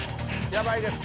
やばいです。